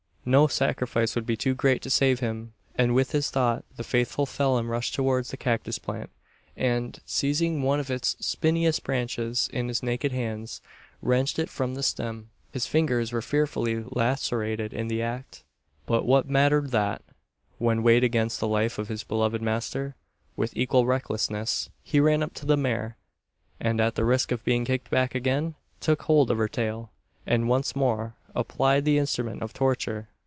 No sacrifice would be too great to save him; and with this thought the faithful Phelim rushed towards the cactus plant; and, seizing one of its spinous branches in his naked hands, wrenched it from the stem. His fingers were fearfully lacerated in the act; but what mattered that, when weighed against the life of his beloved master? With equal recklessness he ran up to the mare; and, at the risk of being kicked back again, took hold of her tail, and once more applied the instrument of torture!